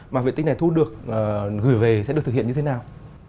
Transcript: mà vệ tinh này thu được gửi về sẽ được thực hiện như thế nào